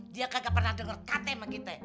dia kagak pernah denger kata sama kita